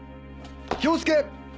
気をつけ！